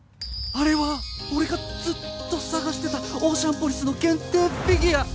あれは俺がずっと探してたオーシャンポリスの限定フィギュア！